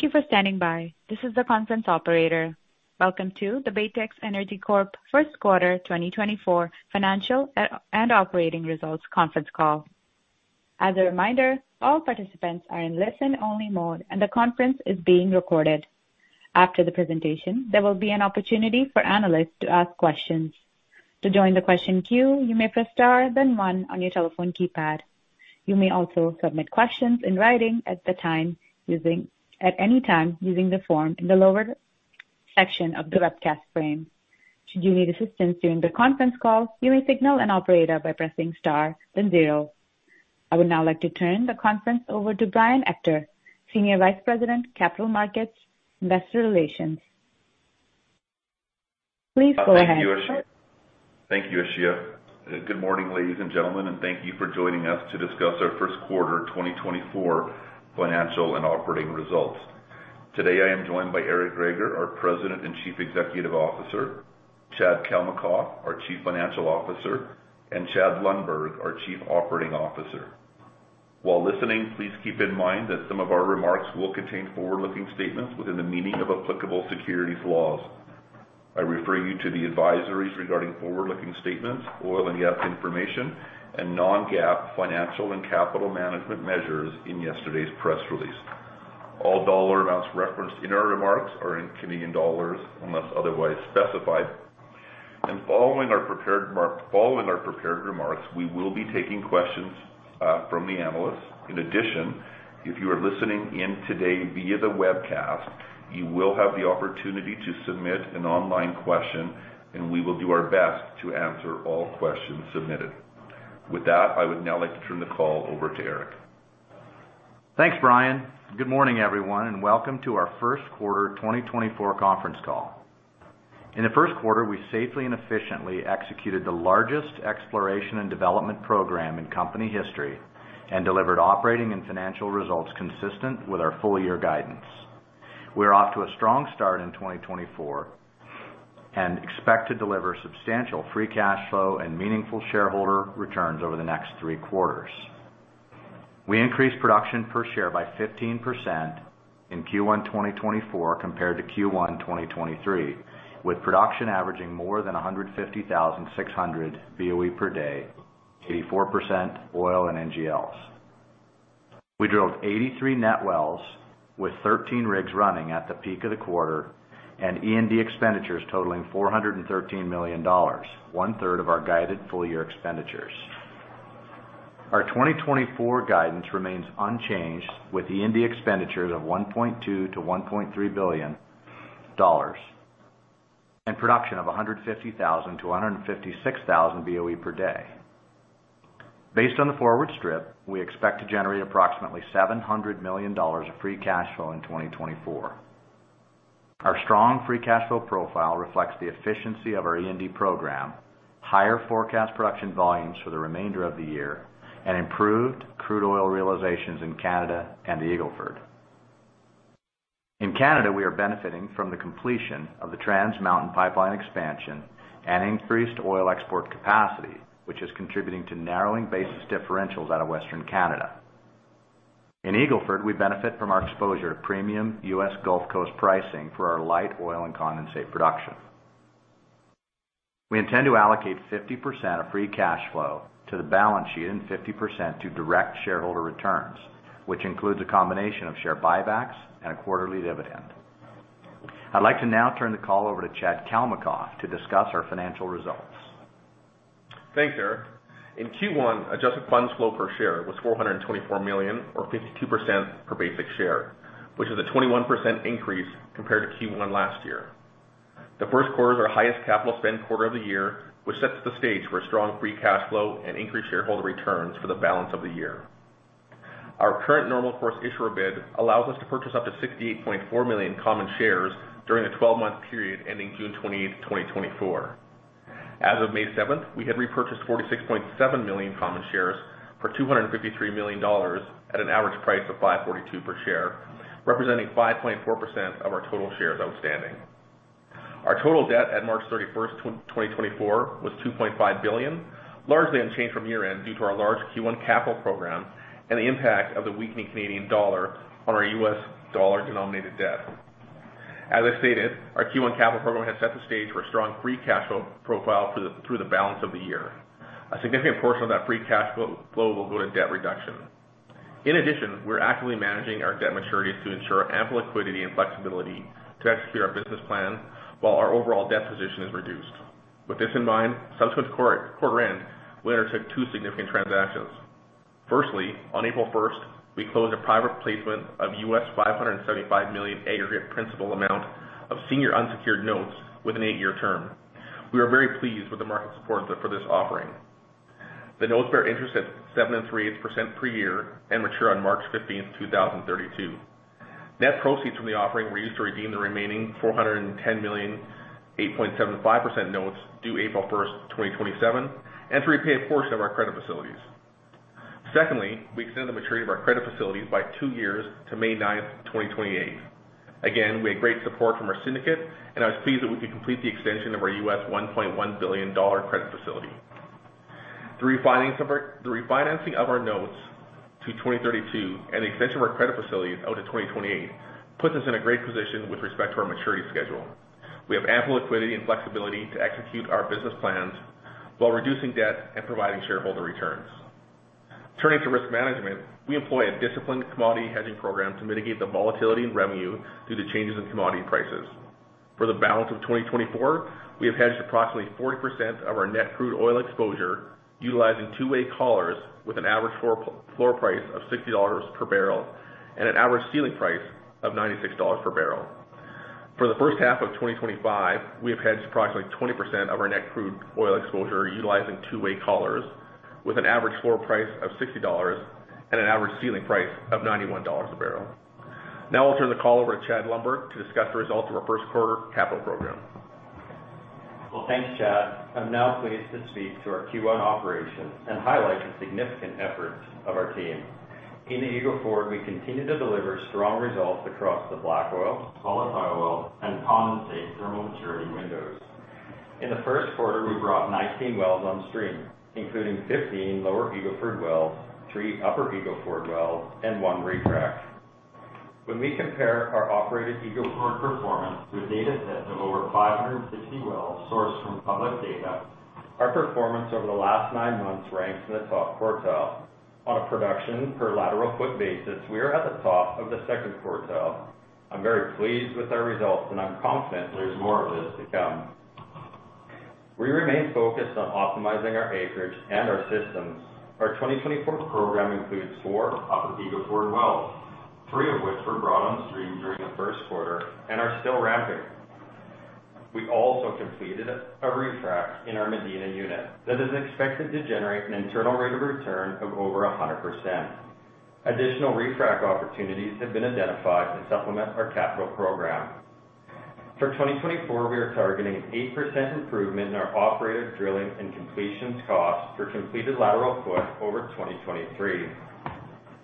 Thank you for standing by. This is the conference operator. Welcome to the Baytex Energy Corp first quarter 2024 financial and operating results conference call. As a reminder, all participants are in listen-only mode and the conference is being recorded. After the presentation, there will be an opportunity for analysts to ask questions. To join the question queue, you may press star, then 1 on your telephone keypad. You may also submit questions in writing at any time using the form in the lower section of the webcast frame. Should you need assistance during the conference call, you may signal an operator by pressing star, then 0. I would now like to turn the conference over to Brian Ector, Senior Vice President Capital Markets, Investor Relations. Please go ahead. Thank you, Ashia. Good morning, ladies and gentlemen, and thank you for joining us to discuss our first quarter 2024 financial and operating results. Today I am joined by Eric Greager, our President and Chief Executive Officer; Chad Kalmakoff, our Chief Financial Officer; and Chad Lundberg, our Chief Operating Officer. While listening, please keep in mind that some of our remarks will contain forward-looking statements within the meaning of applicable securities laws. I refer you to the advisories regarding forward-looking statements, oil and gas information, and non-GAAP financial and capital management measures in yesterday's press release. All dollar amounts referenced in our remarks are in Canadian dollars unless otherwise specified. Following our prepared remarks, we will be taking questions from the analysts. In addition, if you are listening in today via the webcast, you will have the opportunity to submit an online question, and we will do our best to answer all questions submitted. With that, I would now like to turn the call over to Eric. Thanks, Brian. Good morning, everyone, and welcome to our first quarter 2024 conference call. In the first quarter, we safely and efficiently executed the largest exploration and development program in company history and delivered operating and financial results consistent with our full-year guidance. We are off to a strong start in 2024 and expect to deliver substantial free cash flow and meaningful shareholder returns over the next three quarters. We increased production per share by 15% in Q1 2024 compared to Q1 2023, with production averaging more than 150,600 BOE per day, 84% oil and NGLs. We drilled 83 net wells with 13 rigs running at the peak of the quarter and E&D expenditures totaling 413 million dollars, one-third of our guided full-year expenditures. Our 2024 guidance remains unchanged, with E&D expenditures of 1.2 billion-1.3 billion dollars and production of 150,000-156,000 BOE per day. Based on the forward strip, we expect to generate approximately $700 million of free cash flow in 2024. Our strong free cash flow profile reflects the efficiency of our E&D program, higher forecast production volumes for the remainder of the year, and improved crude oil realizations in Canada and the Eagle Ford. In Canada, we are benefiting from the completion of the Trans Mountain Pipeline expansion and increased oil export capacity, which is contributing to narrowing basis differentials out of Western Canada. In Eagle Ford, we benefit from our exposure to premium U.S. Gulf Coast pricing for our light oil and condensate production. We intend to allocate 50% of free cash flow to the balance sheet and 50% to direct shareholder returns, which includes a combination of share buybacks and a quarterly dividend. I'd like to now turn the call over to Chad Kalmakoff to discuss our financial results. Thanks, Eric. In Q1, adjusted funds flow per share was 424 million or 0.52 per basic share, which is a 21% increase compared to Q1 last year. The first quarter is our highest capital spend quarter of the year, which sets the stage for a strong free cash flow and increased shareholder returns for the balance of the year. Our current normal course issuer bid allows us to purchase up to 68.4 million common shares during the 12-month period ending June 28, 2024. As of May 7th, we had repurchased 46.7 million common shares for 253 million dollars at an average price of 5.42 per share, representing 5.4% of our total shares outstanding. Our total debt at March 31, 2024, was 2.5 billion, largely unchanged from year-end due to our large Q1 capital program and the impact of the weakening Canadian dollar on our U.S. dollar-denominated debt. As I stated, our Q1 capital program has set the stage for a strong free cash flow profile through the balance of the year. A significant portion of that free cash flow will go to debt reduction. In addition, we're actively managing our debt maturities to ensure ample liquidity and flexibility to execute our business plan while our overall debt position is reduced. With this in mind, subsequent to quarter-end, we undertook two significant transactions. Firstly, on April 1st, we closed a private placement of $575 million aggregate principal amount of senior unsecured notes with an eight-year term. We are very pleased with the market support for this offering. The notes bear interest at 7.38% per year and mature on March 15, 2032. Net proceeds from the offering were used to redeem the remaining $410 million 8.75% notes due April 1, 2027, and to repay a portion of our credit facilities. Secondly, we extended the maturity of our credit facilities by two years to May 9, 2028. Again, we had great support from our syndicate, and I was pleased that we could complete the extension of our U.S. $1.1 billion credit facility. The refinancing of our notes to 2032 and the extension of our credit facilities out to 2028 puts us in a great position with respect to our maturity schedule. We have ample liquidity and flexibility to execute our business plans while reducing debt and providing shareholder returns. Turning to risk management, we employ a disciplined commodity hedging program to mitigate the volatility in revenue due to changes in commodity prices. For the balance of 2024, we have hedged approximately 40% of our net crude oil exposure utilizing two-way collars with an average floor price of $60 per barrel and an average ceiling price of $96 per barrel. For the first half of 2025, we have hedged approximately 20% of our net crude oil exposure utilizing two-way collars with an average floor price of $60 and an average ceiling price of $91 a barrel. Now I'll turn the call over to Chad Lundberg to discuss the results of our first quarter capital program. Well, thanks, Chad. I'm now pleased to speak to our Q1 operation and highlight the significant efforts of our team. In the Eagle Ford, we continue to deliver strong results across the black oil, light oil, and condensate thermal maturity windows. In the first quarter, we brought 19 wells on stream, including 15 Lower Eagle Ford wells, 3 Upper Eagle Ford wells, and 1 re-frac. When we compare our operated Eagle Ford performance with datasets of over 560 wells sourced from public data, our performance over the last nine months ranks in the top quartile. On a production per lateral foot basis, we are at the top of the second quartile. I'm very pleased with our results, and I'm confident there's more of this to come. We remain focused on optimizing our acreage and our systems. Our 2024 program includes 4 Upper Eagle Ford wells, three of which were brought on stream during the first quarter and are still ramping. We also completed a re-frac in our Medina Unit that is expected to generate an internal rate of return of over 100%. Additional re-frac opportunities have been identified to supplement our capital program. For 2024, we are targeting an 8% improvement in our operated drilling and completions costs for completed lateral foot over 2023.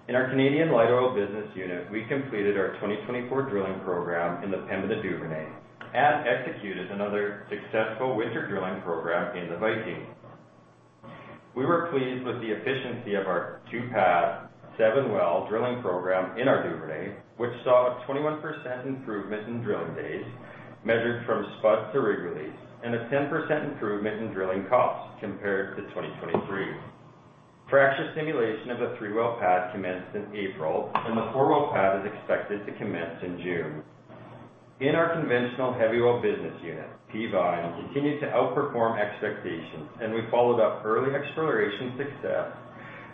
In our Canadian light oil business unit, we completed our 2024 drilling program in the Pembina Duvernay and executed another successful winter drilling program in the Viking. We were pleased with the efficiency of our 2-pad, 7-well drilling program in our Duvernay, which saw a 21% improvement in drilling days measured from spud to rig release and a 10% improvement in drilling costs compared to 2023. Fracture stimulation of the three-well pad commenced in April, and the four-well pad is expected to commence in June. In our conventional heavy oil business unit, Peavine continued to outperform expectations, and we followed up early exploration success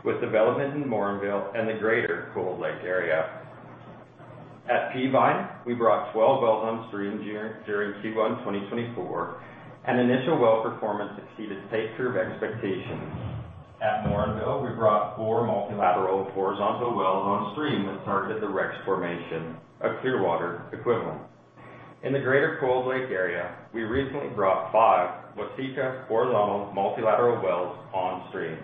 with development in Morinville and the Greater Cold Lake area. At Peavine, we brought 12 wells on stream during Q1 2024, and initial well performance exceeded type curve expectations. At Morinville, we brought four multilateral horizontal wells on stream that targeted the Rex Formation, a Clearwater equivalent. In the Greater Cold Lake area, we recently brought five Waseca horizontal multilateral wells on stream.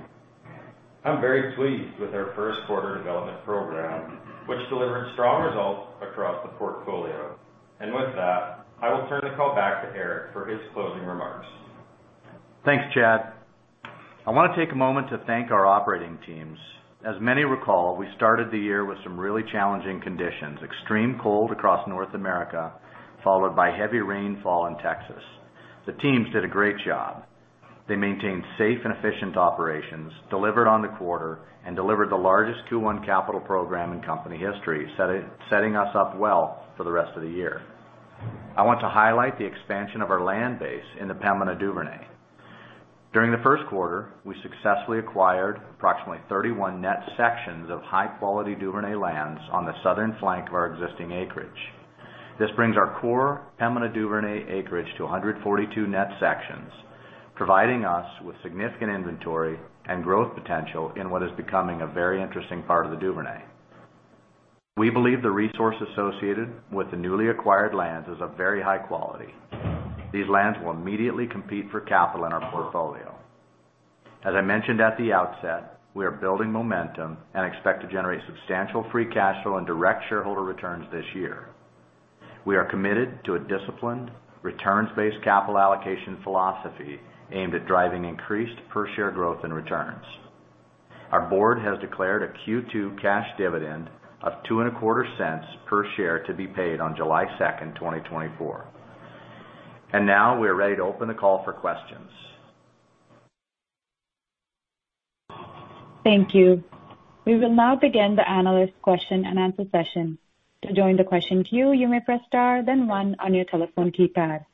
I'm very pleased with our first quarter development program, which delivered strong results across the portfolio. With that, I will turn the call back to Eric for his closing remarks. Thanks, Chad. I want to take a moment to thank our operating teams. As many recall, we started the year with some really challenging conditions: extreme cold across North America, followed by heavy rainfall in Texas. The teams did a great job. They maintained safe and efficient operations, delivered on the quarter, and delivered the largest Q1 capital program in company history, setting us up well for the rest of the year. I want to highlight the expansion of our land base in the Pembina Duvernay. During the first quarter, we successfully acquired approximately 31 net sections of high-quality Duvernay lands on the southern flank of our existing acreage. This brings our core Pembina Duvernay acreage to 142 net sections, providing us with significant inventory and growth potential in what is becoming a very interesting part of the Duvernay. We believe the resource associated with the newly acquired lands is of very high quality. These lands will immediately compete for capital in our portfolio. As I mentioned at the outset, we are building momentum and expect to generate substantial free cash flow and direct shareholder returns this year. We are committed to a disciplined, returns-based capital allocation philosophy aimed at driving increased per share growth and returns. Our board has declared a Q2 cash dividend of 0.025 per share to be paid on July 2, 2024. And now we are ready to open the call for questions. Thank you. We will now begin the analyst question and answer session. To join the question queue, you may press star, then one on your telephone keypad.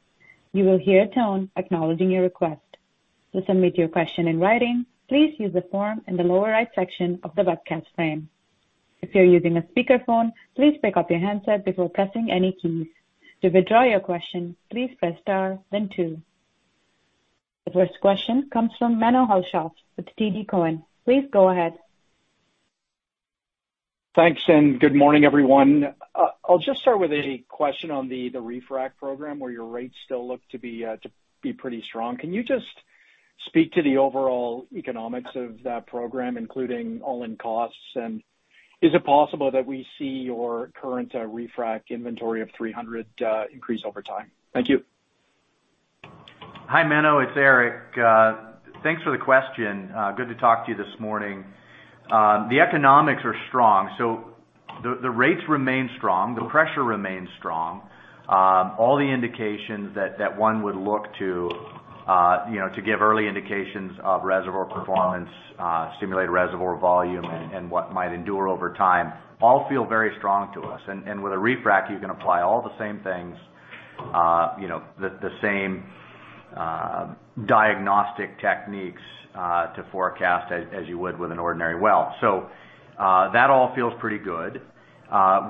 You will hear a tone acknowledging your request. To submit your question in writing, please use the form in the lower right section of the webcast frame. If you're using a speakerphone, please pick up your handset before pressing any keys. To withdraw your question, please press star, then two. The first question comes from Menno Hulshof with TD Cowen. Please go ahead. Thanks, and good morning, everyone. I'll just start with a question on the re-frac program, where your rates still look to be pretty strong. Can you just speak to the overall economics of that program, including all-in costs? Is it possible that we see your current re-frac inventory of 300 increase over time? Thank you. Hi, Menno. It's Eric. Thanks for the question. Good to talk to you this morning. The economics are strong, so the rates remain strong, the pressure remains strong. All the indications that one would look to give early indications of reservoir performance, simulated reservoir volume, and what might endure over time all feel very strong to us. And with a re-frac, you can apply all the same things, the same diagnostic techniques to forecast as you would with an ordinary well. So that all feels pretty good.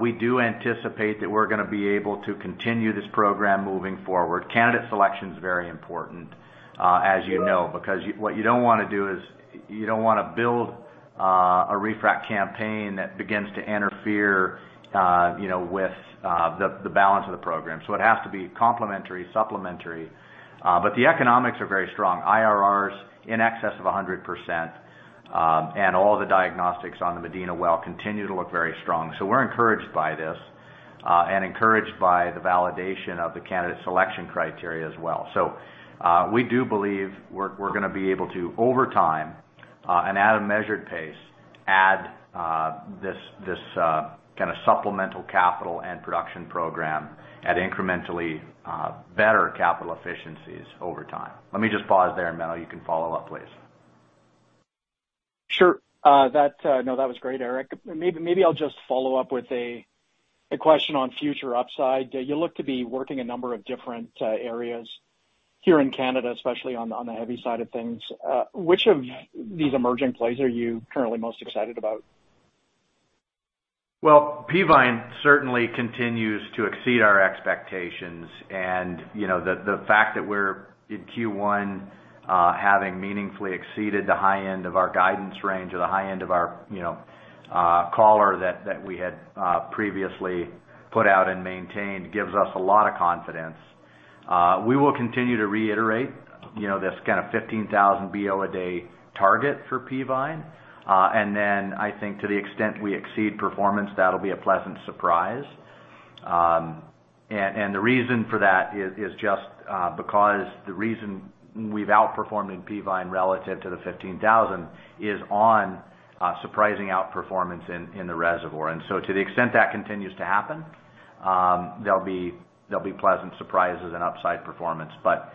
We do anticipate that we're going to be able to continue this program moving forward. Candidate selection is very important, as you know, because what you don't want to do is you don't want to build a re-frac campaign that begins to interfere with the balance of the program. So it has to be complementary, supplementary. But the economics are very strong. IRRs in excess of 100% and all the diagnostics on the Medina well continue to look very strong. So we're encouraged by this and encouraged by the validation of the candidate selection criteria as well. So we do believe we're going to be able to, over time and at a measured pace, add this kind of supplemental capital and production program at incrementally better capital efficiencies over time. Let me just pause there, Menno. You can follow up, please. Sure. No, that was great, Eric. Maybe I'll just follow up with a question on future upside. You look to be working in a number of different areas here in Canada, especially on the heavy side of things. Which of these emerging plays are you currently most excited about? Well, Peavine certainly continues to exceed our expectations. And the fact that we're, in Q1, having meaningfully exceeded the high end of our guidance range or the high end of our call that we had previously put out and maintained gives us a lot of confidence. We will continue to reiterate this kind of 15,000 BO a day target for Peavine. And then, I think, to the extent we exceed performance, that'll be a pleasant surprise. And the reason for that is just because the reason we've outperformed in Peavine relative to the 15,000 is on surprising outperformance in the reservoir. And so to the extent that continues to happen, there'll be pleasant surprises and upside performance. But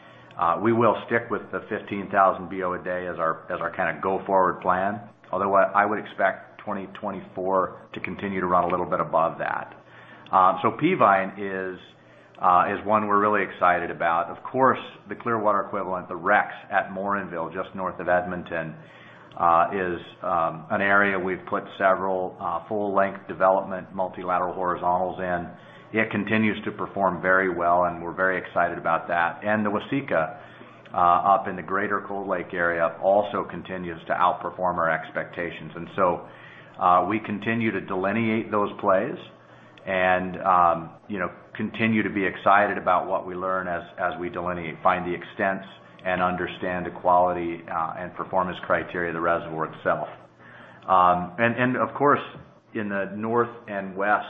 we will stick with the 15,000 BO a day as our kind of go-forward plan, although I would expect 2024 to continue to run a little bit above that. So Peavine is one we're really excited about. Of course, the Clearwater equivalent, the Rex at Morinville, just north of Edmonton, is an area we've put several full-length development multilateral horizontals in. It continues to perform very well, and we're very excited about that. The Waseca up in the Greater Cold Lake area also continues to outperform our expectations. So we continue to delineate those plays and continue to be excited about what we learn as we delineate, find the extents, and understand the quality and performance criteria of the reservoir itself. Of course, in the north and west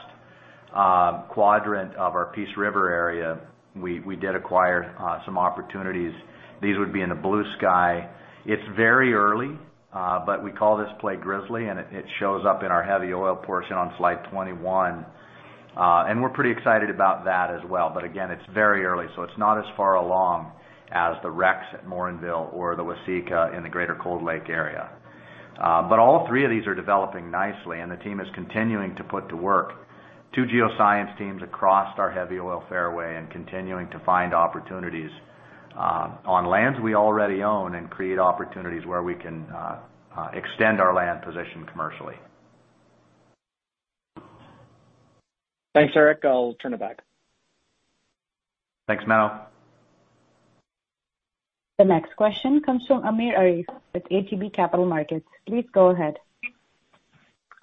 quadrant of our Peace River area, we did acquire some opportunities. These would be in the Bluesky. It's very early, but we call this play Grizzly, and it shows up in our heavy oil portion on slide 21. We're pretty excited about that as well. But again, it's very early, so it's not as far along as the Rex at Morinville or the Waseca in the Greater Cold Lake area. But all three of these are developing nicely, and the team is continuing to put to work two geoscience teams across our heavy oil fairway and continuing to find opportunities on lands we already own and create opportunities where we can extend our land position commercially. Thanks, Eric. I'll turn it back. Thanks, Menno. The next question comes from Amir Arif with ATB Capital Markets. Please go ahead.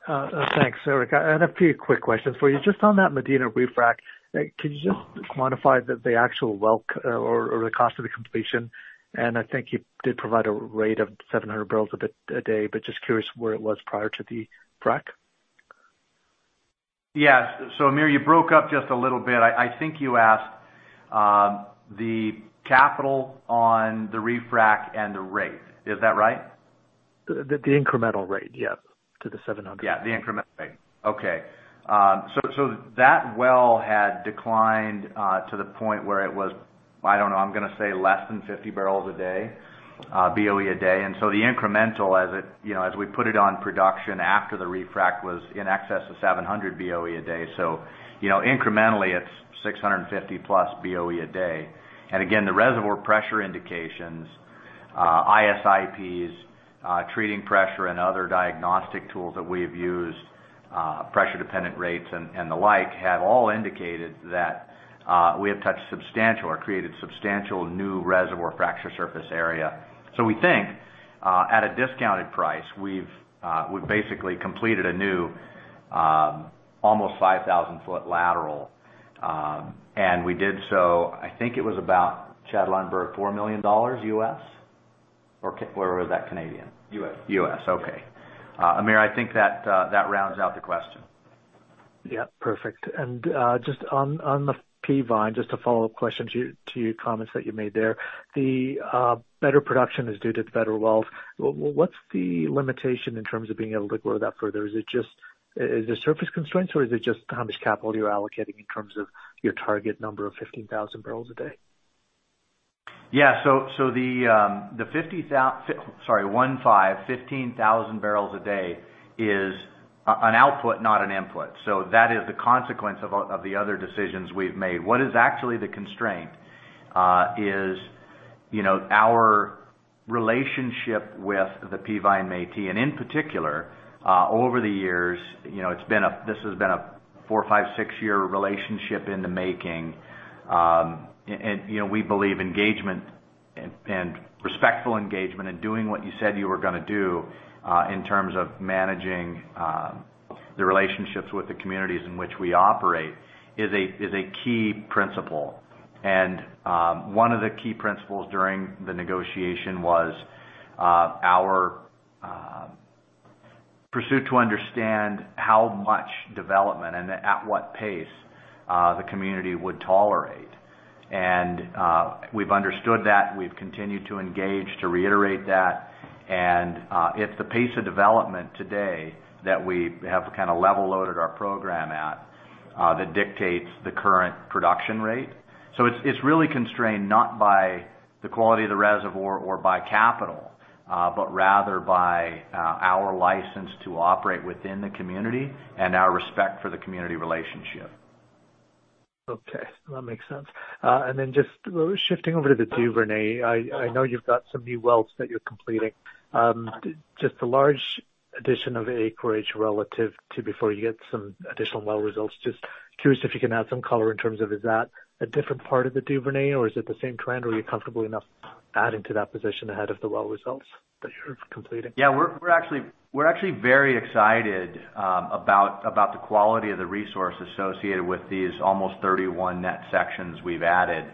Thanks, Eric. I had a few quick questions for you. Just on that Medina re-frac, could you just quantify the actual well or the cost of the completion? And I think you did provide a rate of 700 barrels a day, but just curious where it was prior to the re-frac. Yes. So Amir, you broke up just a little bit. I think you asked the capital on the re-frac and the rate. Is that right? The incremental rate, yes, to the 700. Yeah, the incremental rate. Okay. So that well had declined to the point where it was, I don't know, I'm going to say less than 50 barrels a day, BOE a day. And so the incremental, as we put it on production after the re-frac, was in excess of 700 BOE a day. So incrementally, it's 650+ BOE a day. And again, the reservoir pressure indications, ISIPs, treating pressure, and other diagnostic tools that we have used, pressure-dependent rates and the like, have all indicated that we have touched substantial or created substantial new reservoir fracture surface area. So we think, at a discounted price, we've basically completed a new almost 5,000-foot lateral. And we did so, I think it was about, Chad Lundberg, $4 million U.S.? Or where was that? Canadian? U.S. U.S. Okay. Amir, I think that rounds out the question. Yep, perfect. And just on the Peavine, just a follow-up question to your comments that you made there. The better production is due to the better wells. What's the limitation in terms of being able to grow that further? Is it just surface constraints, or is it just how much capital you're allocating in terms of your target number of 15,000 barrels a day? Yeah. So the 50,000—sorry, 15,000 barrels a day is an output, not an input. So that is the consequence of the other decisions we've made. What is actually the constraint is our relationship with the Peavine Métis. And in particular, over the years, this has been a four, five, six-year relationship in the making. And we believe engagement and respectful engagement and doing what you said you were going to do in terms of managing the relationships with the communities in which we operate is a key principle. And one of the key principles during the negotiation was our pursuit to understand how much development and at what pace the community would tolerate. And we've understood that. We've continued to engage to reiterate that. And it's the pace of development today that we have kind of level loaded our program at that dictates the current production rate. It's really constrained not by the quality of the reservoir or by capital, but rather by our license to operate within the community and our respect for the community relationship. Okay. That makes sense. And then just shifting over to the Duvernay, I know you've got some new wells that you're completing. Just the large addition of acreage relative to before you get some additional well results, just curious if you can add some color in terms of is that a different part of the Duvernay, or is it the same trend? Or are you comfortable enough adding to that position ahead of the well results that you're completing? Yeah. We're actually very excited about the quality of the resource associated with these almost 31 net sections we've added.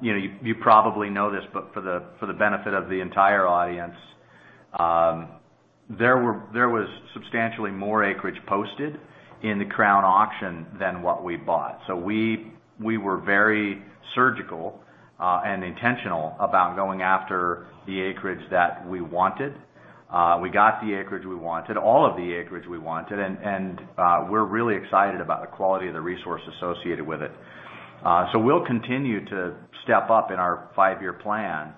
You probably know this, but for the benefit of the entire audience, there was substantially more acreage posted in the Crown auction than what we bought. So we were very surgical and intentional about going after the acreage that we wanted. We got the acreage we wanted, all of the acreage we wanted, and we're really excited about the quality of the resource associated with it. So we'll continue to step up in our five-year plan,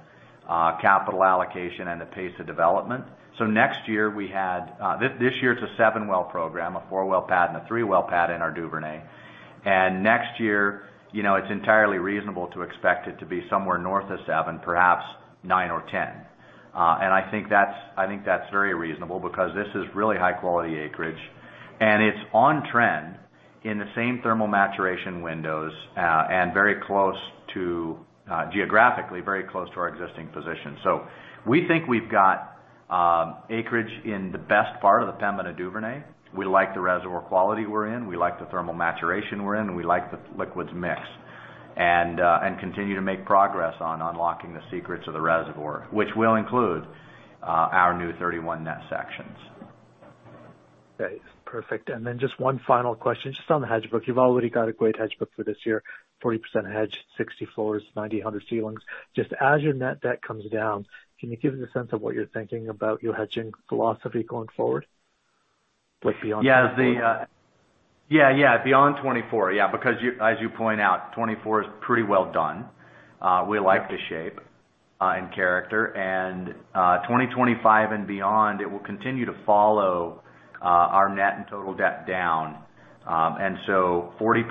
capital allocation, and the pace of development. So next year, we had this year, it's a 7-well program, a 4-well pad, and a 3-well pad in our Duvernay. And next year, it's entirely reasonable to expect it to be somewhere north of 7, perhaps 9 or 10. I think that's very reasonable because this is really high-quality acreage, and it's on trend in the same thermal maturation windows and geographically very close to our existing position. So we think we've got acreage in the best part of the Pembina Duvernay. We like the reservoir quality we're in. We like the thermal maturation we're in. We like the liquids mix and continue to make progress on unlocking the secrets of the reservoir, which will include our new 31 net sections. Okay. Perfect. And then just one final question, just on the hedge book. You've already got a great hedge book for this year, 40% hedge, 60 floors, 900 ceilings. Just as your net debt comes down, can you give us a sense of what you're thinking about your hedging philosophy going forward, beyond 2024? Yeah. Yeah. Yeah. Beyond 2024, yeah, because, as you point out, 2024 is pretty well done. We like the shape and character. 2025 and beyond, it will continue to follow our net and total debt down. So 40%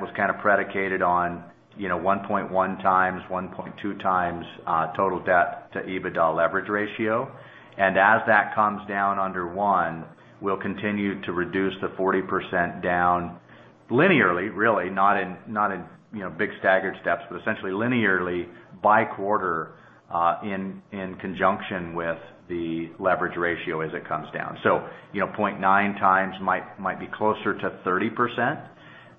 was kind of predicated on 1.1x-1.2x total debt to EBITDA leverage ratio. As that comes down under 1, we'll continue to reduce the 40% down linearly, really, not in big staggered steps, but essentially linearly by quarter in conjunction with the leverage ratio as it comes down. So 0.9x might be closer to 30%.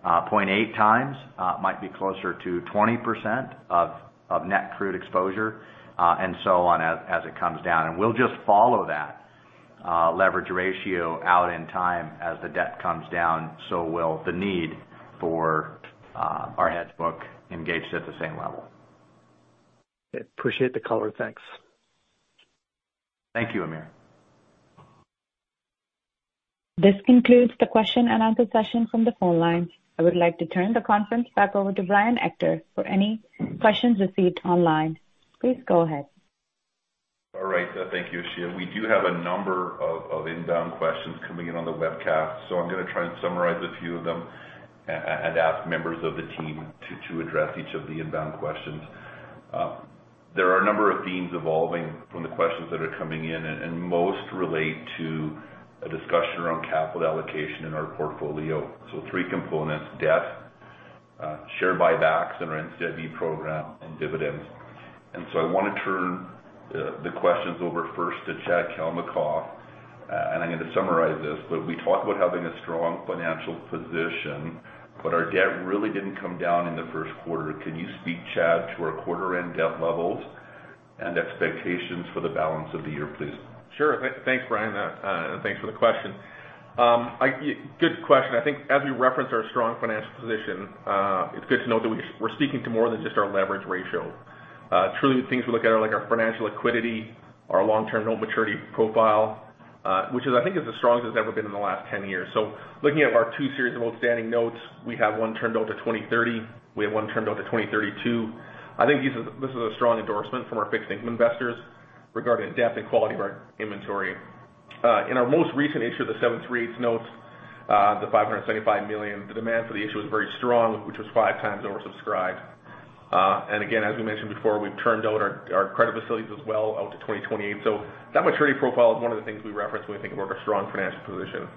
0.8x might be closer to 20% of net crude exposure and so on as it comes down. We'll just follow that leverage ratio out in time as the debt comes down, so will the need for our hedge book engaged at the same level. Okay. Appreciate the color. Thanks. Thank you, Amir. This concludes the question and answer session from the phone lines. I would like to turn the conference back over to Brian Ector for any questions received online. Please go ahead. All right. Thank you, Ashia. We do have a number of inbound questions coming in on the webcast, so I'm going to try and summarize a few of them and ask members of the team to address each of the inbound questions. There are a number of themes evolving from the questions that are coming in, and most relate to a discussion around capital allocation in our portfolio. So three components: debt, share buybacks in our NCIB program, and dividends. And so I want to turn the questions over first to Chad Kalmakoff, and I'm going to summarize this. But we talked about having a strong financial position, but our debt really didn't come down in the first quarter. Can you speak, Chad, to our quarter-end debt levels and expectations for the balance of the year, please? Sure. Thanks, Brian, and thanks for the question. Good question. I think as we reference our strong financial position, it's good to note that we're speaking to more than just our leverage ratio. Truly, the things we look at are our financial liquidity, our long-term note maturity profile, which I think is as strong as it's ever been in the last 10 years. So looking at our 2 series of outstanding notes, we have one turned out to 2030. We have one turned out to 2032. I think this is a strong endorsement from our fixed income investors regarding debt and quality of our inventory. In our most recent issue, the 7.38% notes, the $575 million, the demand for the issue was very strong, which was 5 times oversubscribed. And again, as we mentioned before, we've turned out our credit facilities as well out to 2028. So that maturity profile is one of the things we reference when we think about our strong financial position.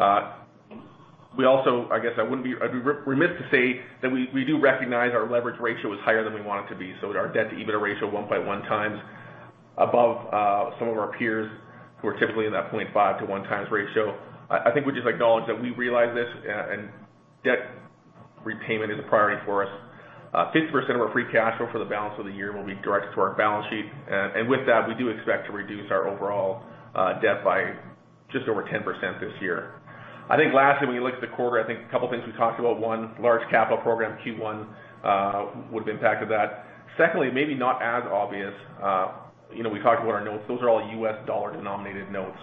I guess I wouldn't be remiss to say that we do recognize our leverage ratio is higher than we want it to be. So our debt to EBITDA ratio, 1.1 times above some of our peers who are typically in that 0.5-1 times ratio. I think we just acknowledge that we realize this, and debt repayment is a priority for us. 50% of our free cash flow for the balance of the year will be directed to our balance sheet. And with that, we do expect to reduce our overall debt by just over 10% this year. I think lastly, when you look at the quarter, I think a couple of things we talked about, one, large capital program Q1 would have impacted that. Secondly, maybe not as obvious, we talked about our notes. Those are all U.S. dollar-denominated notes.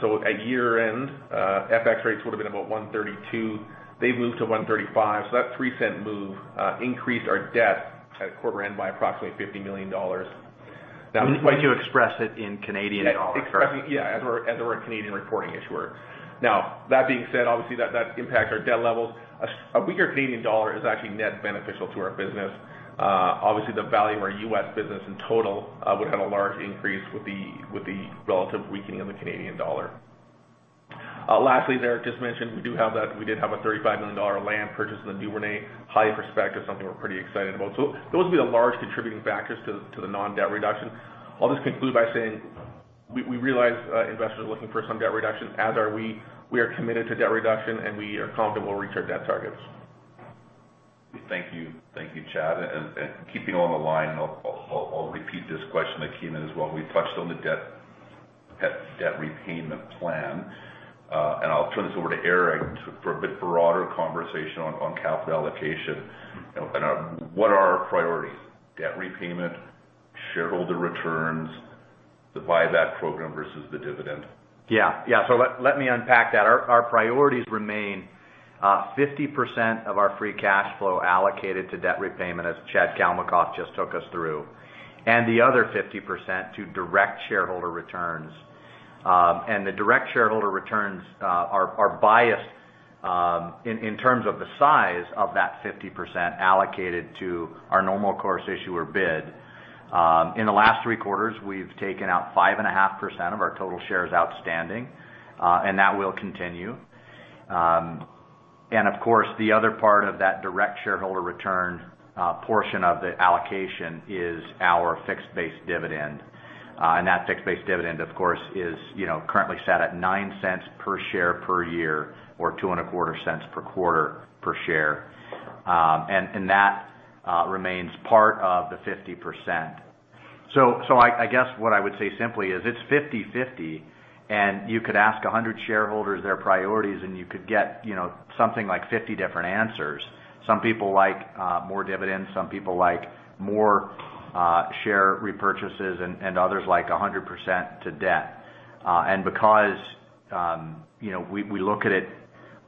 So at year-end, FX rates would have been about 132. They've moved to 135. So that 3-cent move increased our debt at quarter-end by approximately $50 million. Now. Wait. You expressed it in Canadian dollars, correct? Yeah. Yeah. As we're a Canadian reporting issuer. Now, that being said, obviously, that impacts our debt levels. A weaker Canadian dollar is actually net beneficial to our business. Obviously, the value of our U.S. business in total would have a large increase with the relative weakening of the Canadian dollar. Lastly, Eric just mentioned we do have that we did have a 35 million dollar land purchase in the Duvernay, highly prospective, something we're pretty excited about. So those would be the large contributing factors to the non-debt reduction. I'll just conclude by saying we realize investors are looking for some debt reduction, as are we. We are committed to debt reduction, and we are confident we'll reach our debt targets. Thank you. Thank you, Chad. And keeping on the line, I'll repeat this question to the team as well. We touched on the debt repayment plan. And I'll turn this over to Eric for a bit broader conversation on capital allocation. And what are our priorities? Debt repayment, shareholder returns, the buyback program versus the dividend? Yeah. Yeah. So let me unpack that. Our priorities remain 50% of our free cash flow allocated to debt repayment, as Chad Kalmakoff just took us through, and the other 50% to direct shareholder returns. And the direct shareholder returns are biased in terms of the size of that 50% allocated to our normal course issuer bid. In the last 3 quarters, we've taken out 5.5% of our total shares outstanding, and that will continue. And of course, the other part of that direct shareholder return portion of the allocation is our fixed base dividend. And that fixed base dividend, of course, is currently set at 0.09 per share per year or 0.0225 per quarter per share. And that remains part of the 50%. So I guess what I would say simply is it's 50/50. You could ask 100 shareholders their priorities, and you could get something like 50 different answers. Some people like more dividends. Some people like more share repurchases. Others like 100% to debt. Because we look at it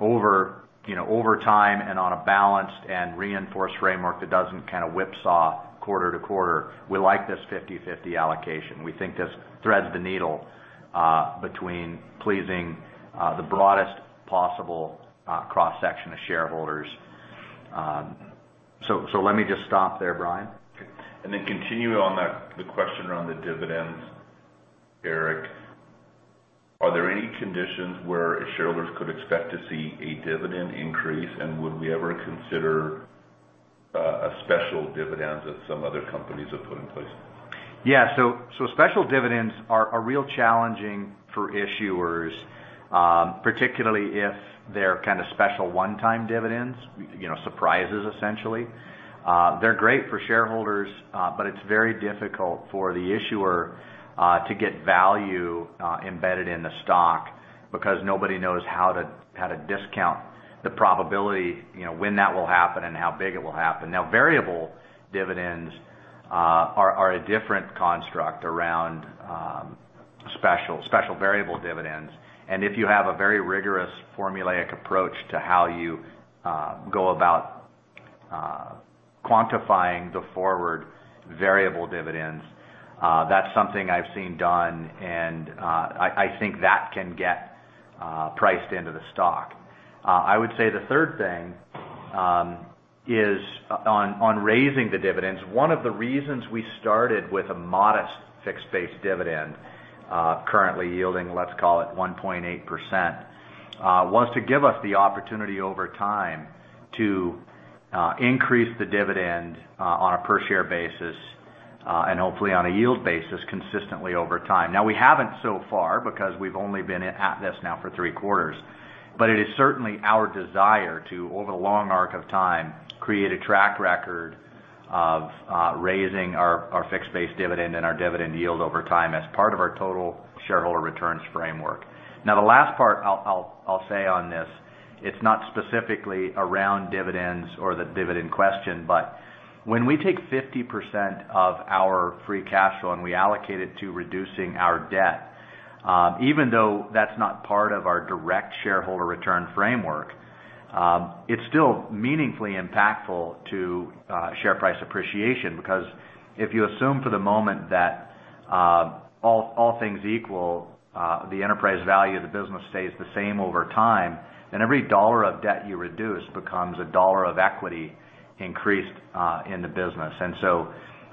over time and on a balanced and reinforced framework that doesn't kind of whipsaw quarter to quarter, we like this 50/50 allocation. We think this threads the needle between pleasing the broadest possible cross-section of shareholders. Let me just stop there, Brian. Okay. And then continuing on the question around the dividends, Eric, are there any conditions where shareholders could expect to see a dividend increase? And would we ever consider a special dividend that some other companies have put in place? Yeah. So special dividends are real challenging for issuers, particularly if they're kind of special one-time dividends, surprises, essentially. They're great for shareholders, but it's very difficult for the issuer to get value embedded in the stock because nobody knows how to discount the probability, when that will happen, and how big it will happen. Now, variable dividends are a different construct around special variable dividends. And if you have a very rigorous formulaic approach to how you go about quantifying the forward variable dividends, that's something I've seen done, and I think that can get priced into the stock. I would say the third thing is on raising the dividends, one of the reasons we started with a modest fixed base dividend currently yielding, let's call it 1.8%, was to give us the opportunity over time to increase the dividend on a per-share basis and hopefully on a yield basis consistently over time. Now, we haven't so far because we've only been at this now for three quarters. But it is certainly our desire to, over the long arc of time, create a track record of raising our fixed base dividend and our dividend yield over time as part of our total shareholder returns framework. Now, the last part I'll say on this, it's not specifically around dividends or the dividend question, but when we take 50% of our free cash flow and we allocate it to reducing our debt, even though that's not part of our direct shareholder return framework, it's still meaningfully impactful to share price appreciation. Because if you assume for the moment that all things equal, the enterprise value of the business stays the same over time, then every dollar of debt you reduce becomes a dollar of equity increased in the business. And so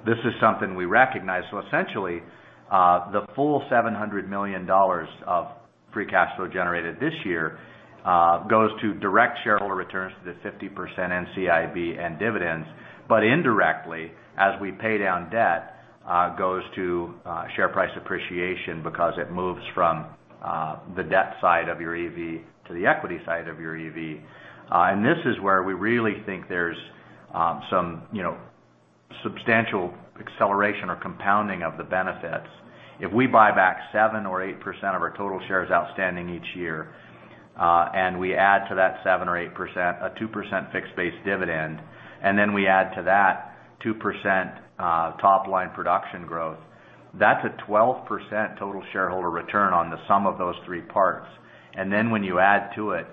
this is something we recognize. So essentially, the full $700 million of free cash flow generated this year goes to direct shareholder returns, to the 50% NCIB and dividends. Indirectly, as we pay down debt, it goes to share price appreciation because it moves from the debt side of your EV to the equity side of your EV. This is where we really think there's some substantial acceleration or compounding of the benefits. If we buy back 7%-8% of our total shares outstanding each year, and we add to that 7%-8% a 2% fixed base dividend, and then we add to that 2% top-line production growth, that's a 12% total shareholder return on the sum of those three parts. Then when you add to it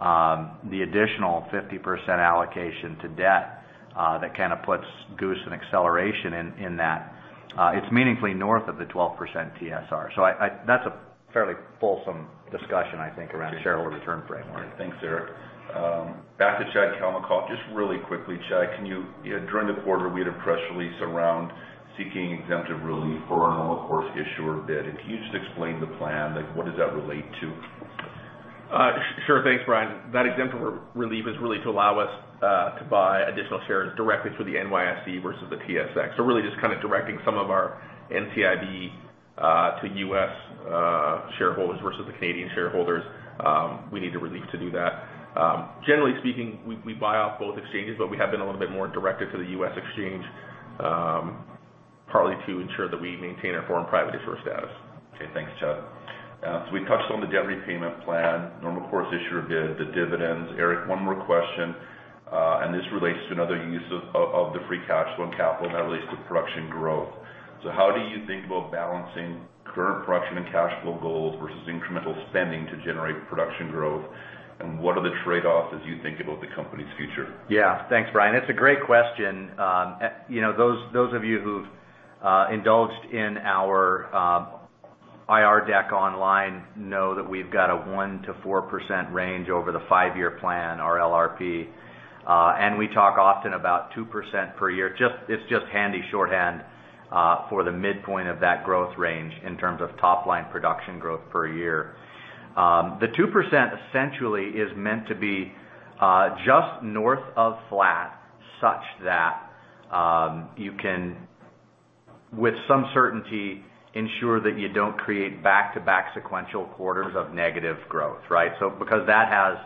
the additional 50% allocation to debt that kind of puts goose and acceleration in that, it's meaningfully north of the 12% TSR. So that's a fairly fulsome discussion, I think, around shareholder return framework. Thanks, Eric. Back to Chad Kalmakoff. Just really quickly, Chad, during the quarter, we had a press release around seeking exemptive relief for our normal course issuer bid. And can you just explain the plan? What does that relate to? Sure. Thanks, Brian. That exemptive relief is really to allow us to buy additional shares directly through the NYSE versus the TSX. So really just kind of directing some of our NCIB to U.S. shareholders versus the Canadian shareholders, we need a relief to do that. Generally speaking, we buy off both exchanges, but we have been a little bit more directed to the U.S. exchange, partly to ensure that we maintain our foreign private issuer status. Okay. Thanks, Chad. So we touched on the debt repayment plan, normal course issuer bid, the dividends. Eric, one more question. And this relates to another use of the free cash flow and capital that relates to production growth. So how do you think about balancing current production and cash flow goals versus incremental spending to generate production growth? And what are the trade-offs as you think about the company's future? Yeah. Thanks, Brian. It's a great question. Those of you who've indulged in our IR deck online know that we've got a 1%-4% range over the five-year plan, our LRP. And we talk often about 2% per year. It's just handy, shorthand for the midpoint of that growth range in terms of top-line production growth per year. The 2% essentially is meant to be just north of flat such that you can, with some certainty, ensure that you don't create back-to-back sequential quarters of negative growth, right? So because that has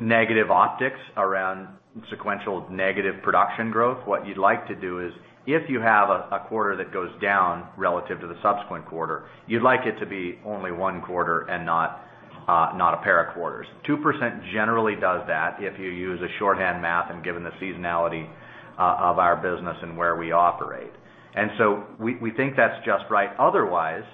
negative optics around sequential negative production growth, what you'd like to do is if you have a quarter that goes down relative to the subsequent quarter, you'd like it to be only one quarter and not a pair of quarters. 2% generally does that if you use a shorthand math and given the seasonality of our business and where we operate. And so we think that's just right. Otherwise,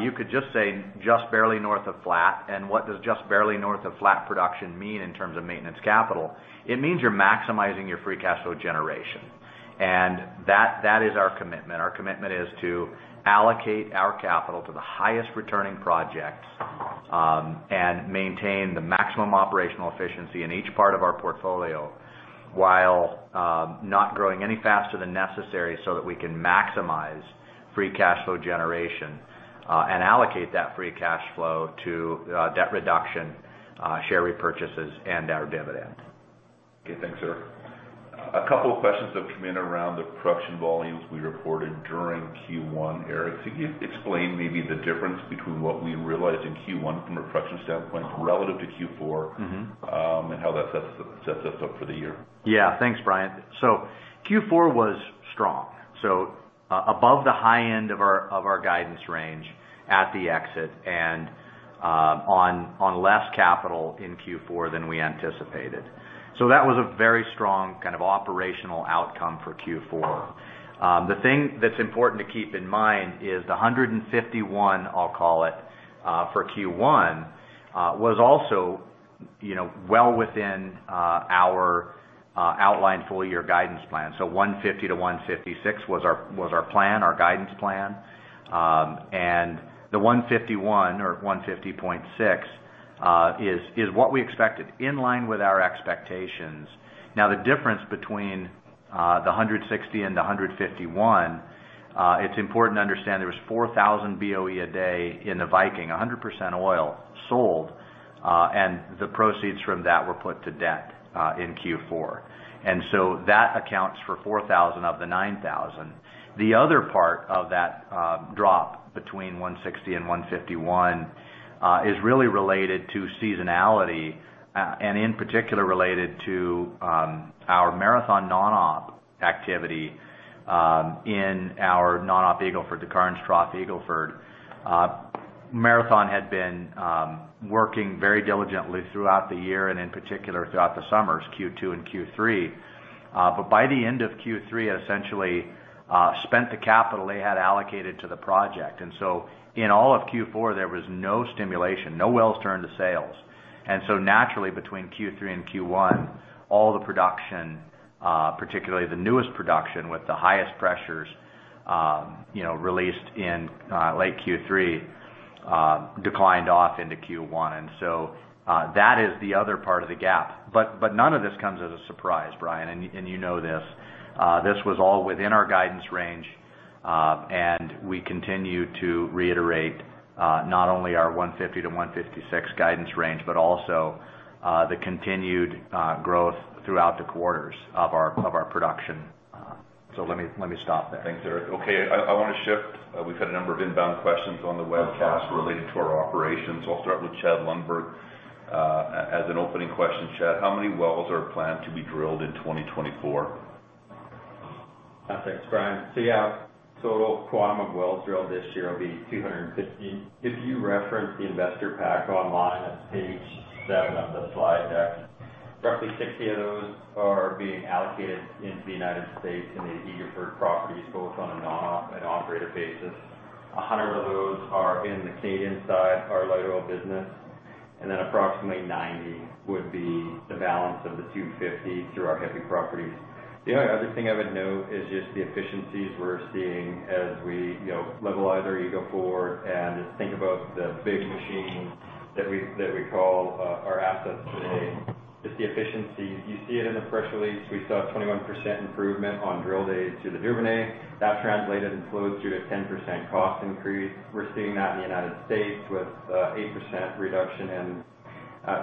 you could just say just barely north of flat. And what does just barely north of flat production mean in terms of maintenance capital? It means you're maximizing your free cash flow generation. And that is our commitment. Our commitment is to allocate our capital to the highest-returning projects and maintain the maximum operational efficiency in each part of our portfolio while not growing any faster than necessary so that we can maximize free cash flow generation and allocate that free cash flow to debt reduction, share repurchases, and our dividend. Okay. Thanks, Eric. A couple of questions have come in around the production volumes we reported during Q1. Eric, can you explain maybe the difference between what we realized in Q1 from a production standpoint relative to Q4 and how that sets us up for the year? Yeah. Thanks, Brian. So Q4 was strong. So above the high end of our guidance range at the exit and on less capital in Q4 than we anticipated. So that was a very strong kind of operational outcome for Q4. The thing that's important to keep in mind is the 151, I'll call it, for Q1 was also well within our outlined full-year guidance plan. So 150-156 was our plan, our guidance plan. And the 151 or 150.6 is what we expected, in line with our expectations. Now, the difference between the 160 and the 151, it's important to understand there was 4,000 BOE a day in the Viking, 100% oil, sold, and the proceeds from that were put to debt in Q4. And so that accounts for 4,000 of the 9,000. The other part of that drop between 160 and 151 is really related to seasonality and, in particular, related to our Marathon non-op activity in our non-op Eagle Ford, the Karnes Trough Eagle Ford. Marathon had been working very diligently throughout the year and, in particular, throughout the summers, Q2 and Q3. But by the end of Q3, it essentially spent the capital they had allocated to the project. And so in all of Q4, there was no stimulation, no wells turned to sales. And so naturally, between Q3 and Q1, all the production, particularly the newest production with the highest pressures released in late Q3, declined off into Q1. And so that is the other part of the gap. But none of this comes as a surprise, Brian, and you know this. This was all within our guidance range. We continue to reiterate not only our 150-156 guidance range but also the continued growth throughout the quarters of our production. Let me stop there. Thanks, Eric. Okay. I want to shift. We've had a number of inbound questions on the webcast related to our operations. I'll start with Chad Lundberg as an opening question. Chad, how many wells are planned to be drilled in 2024? Thanks, Brian. So yeah, total quantum of wells drilled this year will be 215. If you reference the investor pack online at page 7 of the slide deck, roughly 60 of those are being allocated into the United States and the Eagle Ford properties, both on a non-op and operator basis. 100 of those are in the Canadian side, our light oil business. And then approximately 90 would be the balance of the 250 through our heavy properties. The only other thing I would note is just the efficiencies we're seeing as we leverage our Eagle Ford and just think about the big machines that we call our assets today. Just the efficiencies, you see it in the press release. We saw a 21% improvement on drill days to the Duvernay. That translated and flowed through to a 10% cost increase. We're seeing that in the United States with 8% reduction in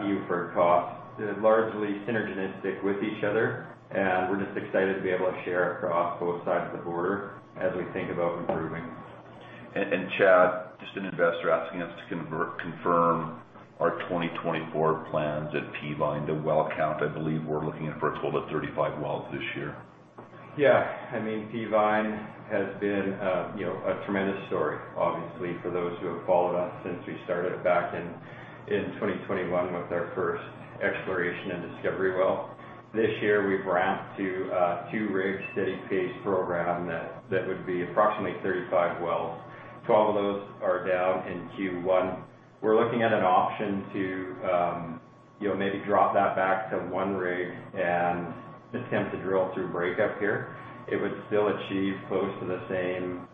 Eagle Ford costs. They're largely synergistic with each other. We're just excited to be able to share across both sides of the border as we think about improving. Chad, just an investor asking us to confirm our 2024 plans at Peavine to well count. I believe we're looking at a total of 35 wells this year. Yeah. I mean, Peavine has been a tremendous story, obviously, for those who have followed us since we started back in 2021 with our first exploration and discovery well. This year, we've ramped to a 2-rig steady-paced program that would be approximately 35 wells. 12 of those are down in Q1. We're looking at an option to maybe drop that back to 1 rig and attempt to drill through breakup here. It would still achieve close to the same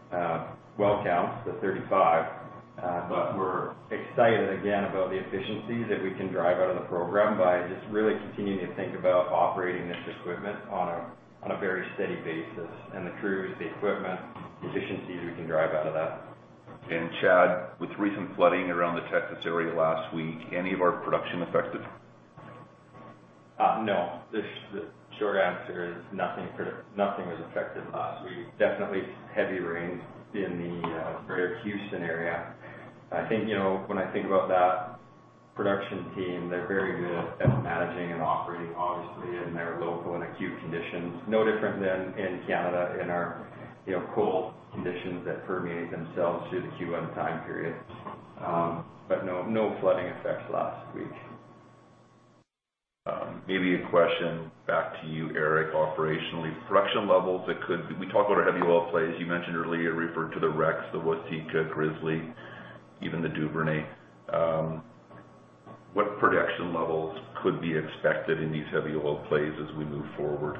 well counts, the 35. But we're excited, again, about the efficiencies that we can drive out of the program by just really continuing to think about operating this equipment on a very steady basis and the crews, the equipment, the efficiencies we can drive out of that. Chad, with recent flooding around the Texas area last week, any of our production affected? No. The short answer is nothing was affected last week. Definitely heavy rains in the very acute scenario. I think when I think about that production team, they're very good at managing and operating, obviously, in their local and acute conditions, no different than in Canada in our cold conditions that permeate themselves through the Q1 time period. But no, no flooding effects last week. Maybe a question back to you, Eric. Operationally, we talked about our heavy oil plays. You mentioned earlier you referred to the Rex, the Waseca, Grizzly, even the Duvernay. What production levels could be expected in these heavy oil plays as we move forward?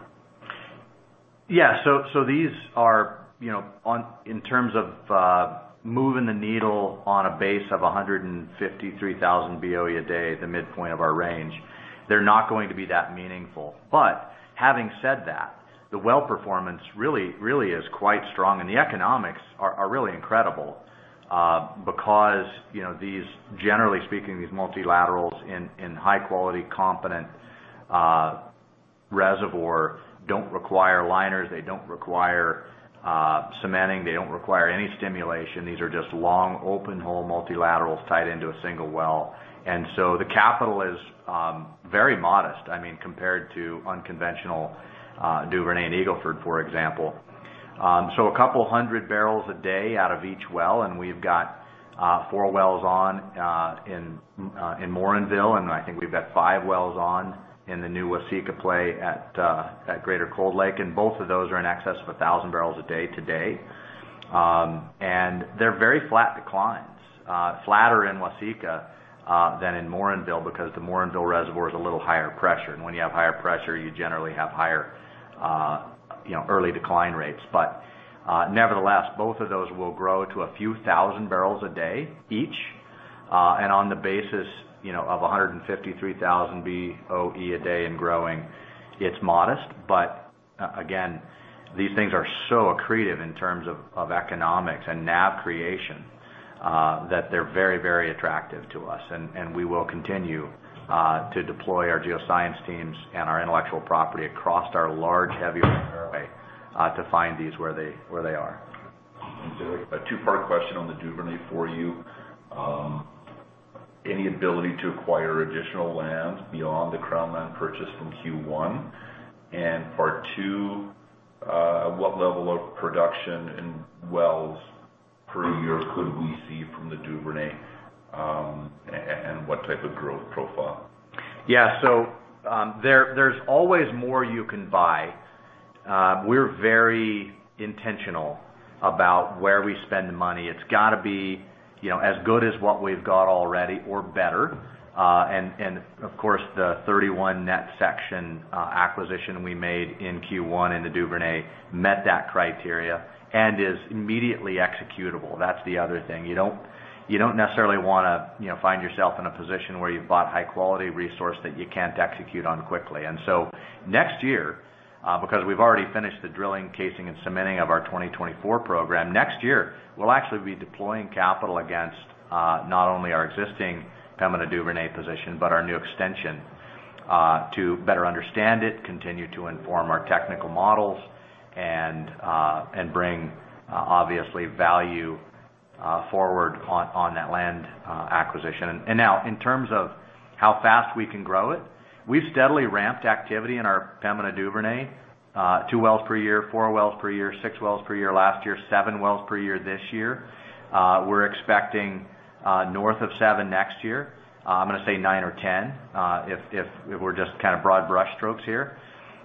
Yeah. So these are, in terms of moving the needle on a base of 153,000 BOE a day, the midpoint of our range, they're not going to be that meaningful. But having said that, the well performance really is quite strong. And the economics are really incredible because, generally speaking, these multilaterals in high-quality, competent reservoir don't require liners. They don't require cementing. They don't require any stimulation. These are just long, open-hole multilaterals tied into a single well. And so the capital is very modest, I mean, compared to unconventional Duvernay and Eagle Ford, for example. So 200 barrels a day out of each well. And we've got 4 wells on in Morinville. And I think we've got 5 wells on in the new Waseca play at Greater Cold Lake. And both of those are in excess of 1,000 barrels a day today. They're very flat declines, flatter in Waseca than in Morinville because the Morinville reservoir is a little higher pressure. When you have higher pressure, you generally have higher early decline rates. Nevertheless, both of those will grow to a few thousand barrels a day each. On the basis of 153,000 BOE a day and growing, it's modest. Again, these things are so accretive in terms of economics and NAV creation that they're very, very attractive to us. We will continue to deploy our geoscience teams and our intellectual property across our large heavy oil acreage to find these where they are. Thanks, Eric. A two-part question on the Duvernay for you. Any ability to acquire additional land beyond the Crown Land purchased in Q1? And part two, what level of production and wells per year could we see from the Duvernay and what type of growth profile? Yeah. So there's always more you can buy. We're very intentional about where we spend the money. It's got to be as good as what we've got already or better. And of course, the 31 net section acquisition we made in Q1 in the Duvernay met that criteria and is immediately executable. That's the other thing. You don't necessarily want to find yourself in a position where you've bought high-quality resource that you can't execute on quickly. And so next year, because we've already finished the drilling, casing, and cementing of our 2024 program, next year, we'll actually be deploying capital against not only our existing Pembina Duvernay position but our new extension to better understand it, continue to inform our technical models, and bring, obviously, value forward on that land acquisition. Now, in terms of how fast we can grow it, we've steadily ramped activity in our Pembina Duvernay, 2 wells per year, 4 wells per year, 6 wells per year last year, 7 wells per year this year. We're expecting north of 7 next year. I'm going to say 9 or 10 if we're just kind of broad brush strokes here.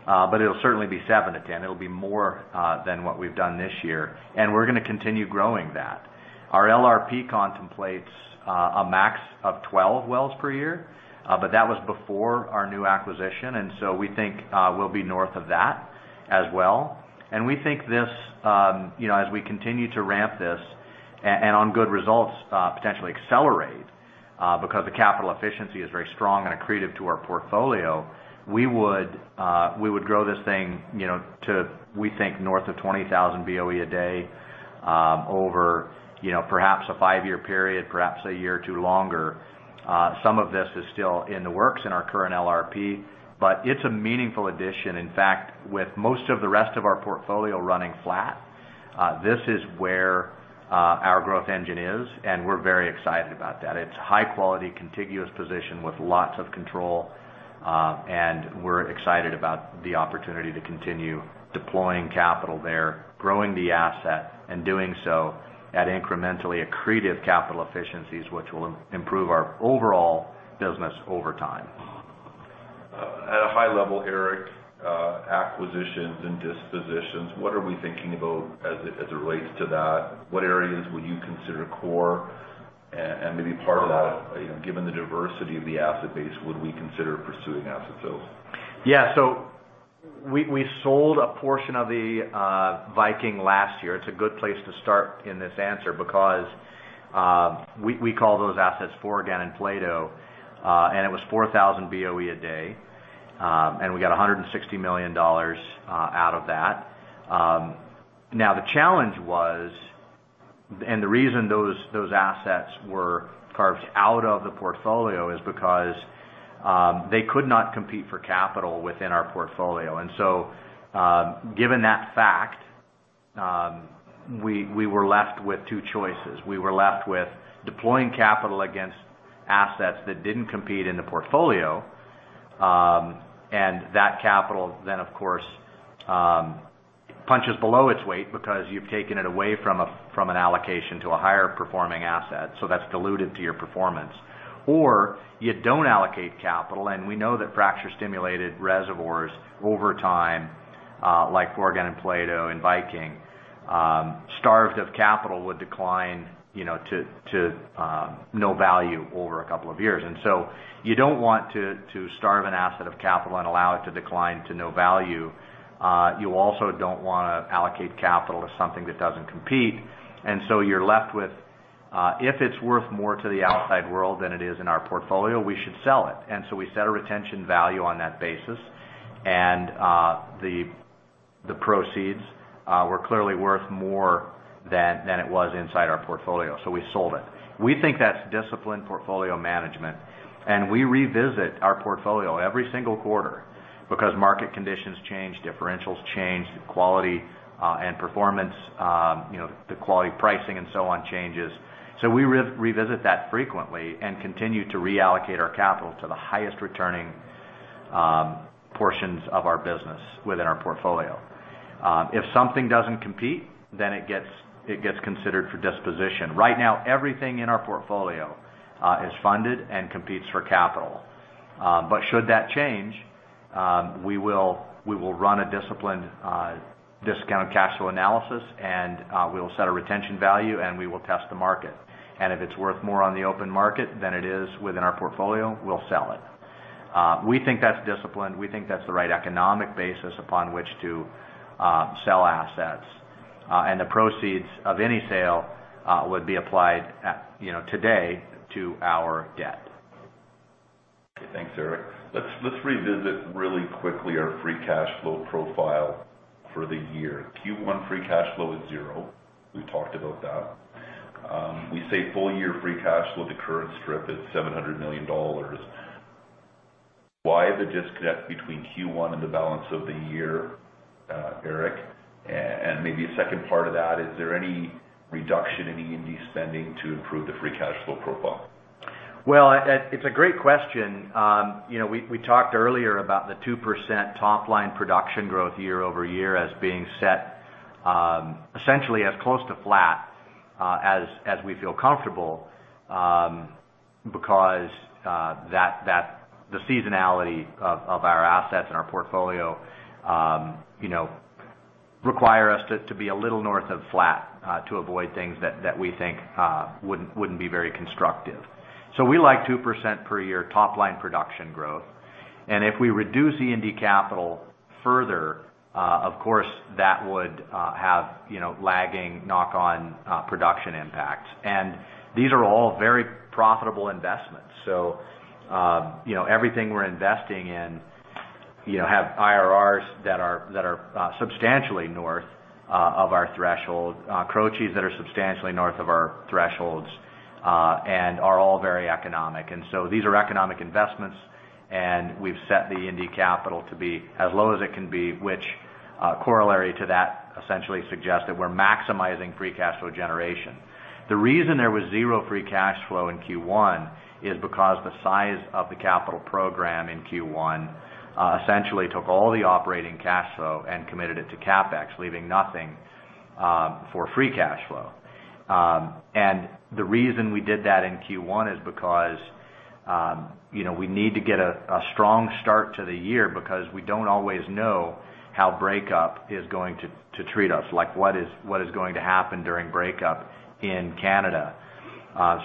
But it'll certainly be 7-10. It'll be more than what we've done this year. And we're going to continue growing that. Our LRP contemplates a max of 12 wells per year. But that was before our new acquisition. And so we think we'll be north of that as well. We think this, as we continue to ramp this and on good results, potentially accelerate because the capital efficiency is very strong and accretive to our portfolio, we would grow this thing to, we think, north of 20,000 BOE a day over perhaps a five-year period, perhaps a year or two longer. Some of this is still in the works in our current LRP. It's a meaningful addition. In fact, with most of the rest of our portfolio running flat, this is where our growth engine is. And we're very excited about that. It's a high-quality, contiguous position with lots of control. And we're excited about the opportunity to continue deploying capital there, growing the asset, and doing so at incrementally accretive capital efficiencies, which will improve our overall business over time. At a high level, Eric, acquisitions and dispositions, what are we thinking about as it relates to that? What areas would you consider core? And maybe part of that, given the diversity of the asset base, would we consider pursuing asset sales? Yeah. So we sold a portion of the Viking last year. It's a good place to start in this answer because we call those assets Forgan and Plato. And it was 4,000 BOE a day. And we got 160 million dollars out of that. Now, the challenge was and the reason those assets were carved out of the portfolio is because they could not compete for capital within our portfolio. And so given that fact, we were left with two choices. We were left with deploying capital against assets that didn't compete in the portfolio. And that capital then, of course, punches below its weight because you've taken it away from an allocation to a higher-performing asset. So that's diluted to your performance. Or you don't allocate capital. And we know that fracture-stimulated reservoirs over time, like Forgan and Plato and Viking, starved of capital would decline to no value over a couple of years. And so you don't want to starve an asset of capital and allow it to decline to no value. You also don't want to allocate capital to something that doesn't compete. And so you're left with, if it's worth more to the outside world than it is in our portfolio, we should sell it. And so we set a retention value on that basis. And the proceeds were clearly worth more than it was inside our portfolio. So we sold it. We think that's disciplined portfolio management. And we revisit our portfolio every single quarter because market conditions change, differentials change, quality and performance, the quality pricing and so on changes. So we revisit that frequently and continue to reallocate our capital to the highest-returning portions of our business within our portfolio. If something doesn't compete, then it gets considered for disposition. Right now, everything in our portfolio is funded and competes for capital. But should that change, we will run a disciplined discounted cash flow analysis. And we will set a retention value. And we will test the market. And if it's worth more on the open market than it is within our portfolio, we'll sell it. We think that's disciplined. We think that's the right economic basis upon which to sell assets. And the proceeds of any sale would be applied today to our debt. Okay. Thanks, Eric. Let's revisit really quickly our free cash flow profile for the year. Q1 free cash flow is zero. We've talked about that. We say full-year free cash flow to current strip is $700 million. Why the disconnect between Q1 and the balance of the year, Eric? And maybe a second part of that, is there any reduction in E&D spending to improve the free cash flow profile? Well, it's a great question. We talked earlier about the 2% top-line production growth year-over-year as being set essentially as close to flat as we feel comfortable because the seasonality of our assets and our portfolio require us to be a little north of flat to avoid things that we think wouldn't be very constructive. So we like 2% per year top-line production growth. And if we reduce E&D capital further, of course, that would have lagging knock-on production impacts. And these are all very profitable investments. So everything we're investing in have IRRs that are substantially north of our threshold, CROICs that are substantially north of our thresholds, and are all very economic. And so these are economic investments. And we've set the E&D capital to be as low as it can be, which corollary to that essentially suggests that we're maximizing free cash flow generation. The reason there was zero free cash flow in Q1 is because the size of the capital program in Q1 essentially took all the operating cash flow and committed it to CapEx, leaving nothing for free cash flow. And the reason we did that in Q1 is because we need to get a strong start to the year because we don't always know how breakup is going to treat us, like what is going to happen during breakup in Canada.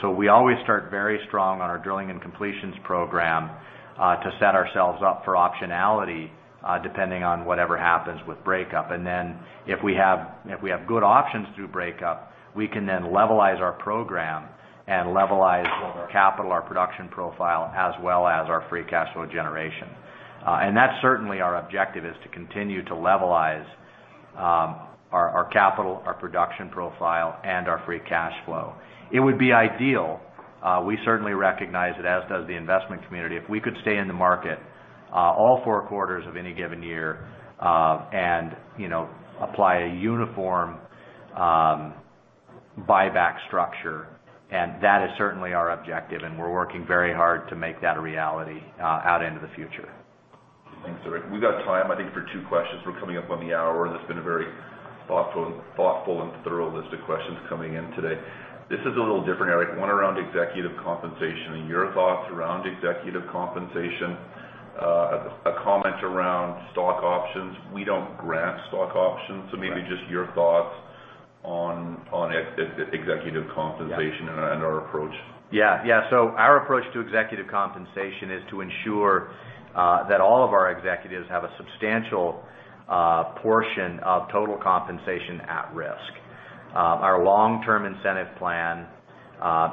So we always start very strong on our drilling and completions program to set ourselves up for optionality depending on whatever happens with breakup. And then if we have good options through breakup, we can then levelize our program and levelize both our capital, our production profile, as well as our free cash flow generation. That's certainly our objective, is to continue to levelize our capital, our production profile, and our free cash flow. It would be ideal (we certainly recognize it, as does the investment community) if we could stay in the market all four quarters of any given year and apply a uniform buyback structure. That is certainly our objective. We're working very hard to make that a reality out into the future. Thanks, Eric. We've got time, I think, for two questions. We're coming up on the hour. There's been a very thoughtful and thorough list of questions coming in today. This is a little different, Eric, one around executive compensation and your thoughts around executive compensation, a comment around stock options. We don't grant stock options. So maybe just your thoughts on executive compensation and our approach. Yeah. Yeah. So our approach to executive compensation is to ensure that all of our executives have a substantial portion of total compensation at risk. Our long-term incentive plan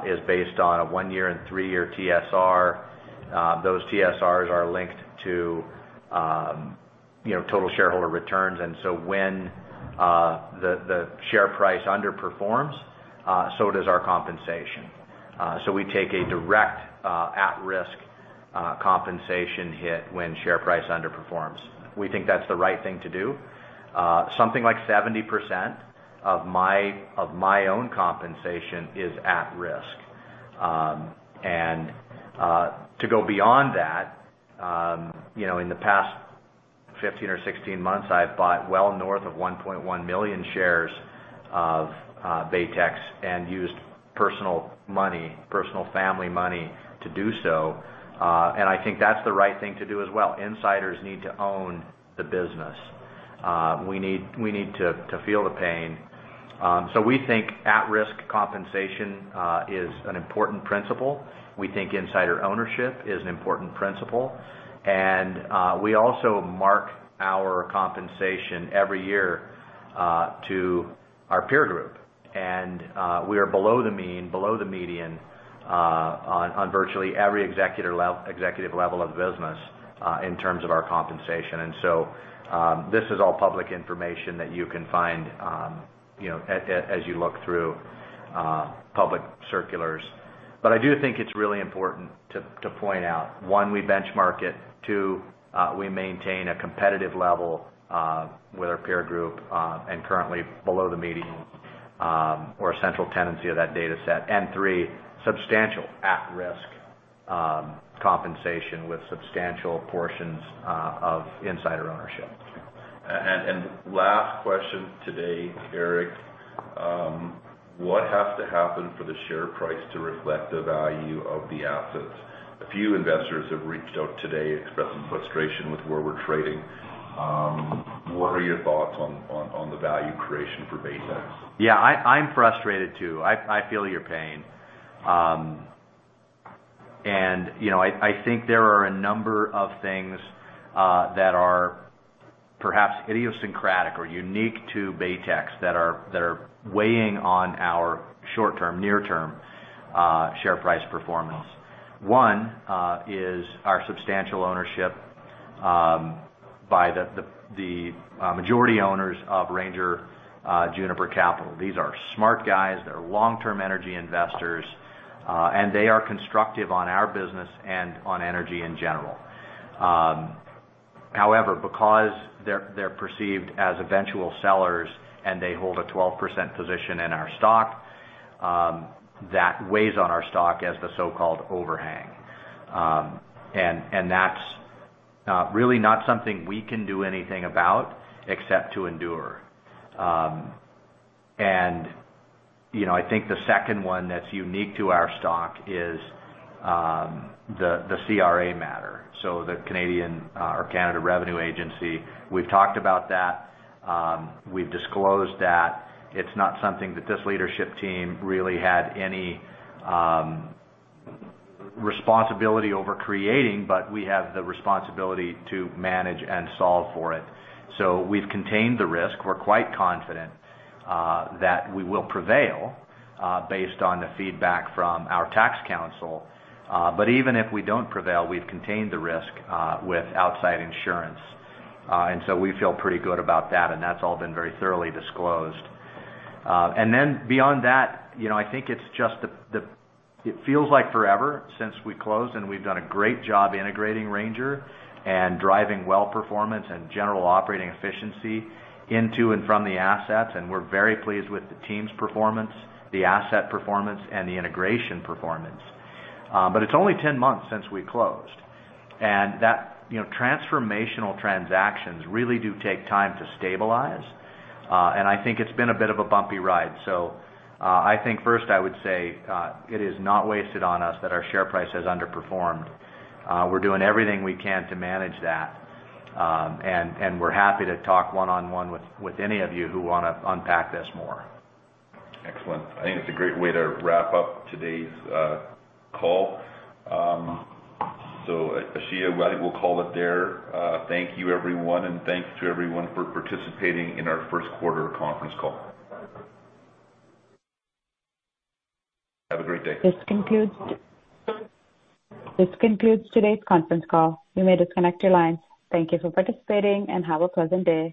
is based on a one-year and three-year TSR. Those TSRs are linked to total shareholder returns. And so when the share price underperforms, so does our compensation. So we take a direct at-risk compensation hit when share price underperforms. We think that's the right thing to do. Something like 70% of my own compensation is at risk. And to go beyond that, in the past 15 or 16 months, I've bought well north of 1.1 million shares of Baytex and used personal money, personal family money, to do so. And I think that's the right thing to do as well. Insiders need to own the business. We need to feel the pain. So we think at-risk compensation is an important principle. We think insider ownership is an important principle. We also mark our compensation every year to our peer group. We are below the mean, below the median on virtually every executive level of the business in terms of our compensation. So this is all public information that you can find as you look through public circulars. But I do think it's really important to point out, one, we benchmark it. Two, we maintain a competitive level with our peer group and currently below the median or a central tendency of that dataset. And three, substantial at-risk compensation with substantial portions of insider ownership. Last question today, Eric. What has to happen for the share price to reflect the value of the assets? A few investors have reached out today expressing frustration with forward trading. What are your thoughts on the value creation for Baytex? Yeah. I'm frustrated too. I feel your pain. And I think there are a number of things that are perhaps idiosyncratic or unique to Baytex that are weighing on our short-term, near-term share price performance. One is our substantial ownership by the majority owners of Ranger, Juniper Capital. These are smart guys. They're long-term energy investors. And they are constructive on our business and on energy in general. However, because they're perceived as eventual sellers and they hold a 12% position in our stock, that weighs on our stock as the so-called overhang. And that's really not something we can do anything about except to endure. And I think the second one that's unique to our stock is the CRA matter, so the Canada Revenue Agency. We've talked about that. We've disclosed that it's not something that this leadership team really had any responsibility over creating. But we have the responsibility to manage and solve for it. So we've contained the risk. We're quite confident that we will prevail based on the feedback from our tax counsel. But even if we don't prevail, we've contained the risk with outside insurance. And so we feel pretty good about that. And that's all been very thoroughly disclosed. And then beyond that, I think it's just it feels like forever since we closed. And we've done a great job integrating Ranger and driving well performance and general operating efficiency into and from the assets. And we're very pleased with the team's performance, the asset performance, and the integration performance. But it's only 10 months since we closed. And transformational transactions really do take time to stabilize. And I think it's been a bit of a bumpy ride. I think first, I would say it is not wasted on us that our share price has underperformed. We're doing everything we can to manage that. We're happy to talk one-on-one with any of you who want to unpack this more. Excellent. I think it's a great way to wrap up today's call. So Ashiya, I think we'll call it there. Thank you, everyone. Thanks to everyone for participating in our first quarter conference call. Have a great day. This concludes today's conference call. You may disconnect your lines. Thank you for participating. Have a pleasant day.